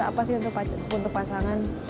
apa sih untuk pasangan